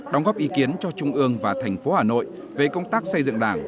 đóng góp ý kiến cho trung ương và thành phố hà nội về công tác xây dựng đảng